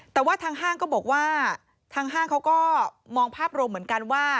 แต่ว่าทางห้างก็บอกว่าทางห้างเขาก็มองภาพรวมเหมือนกันว่า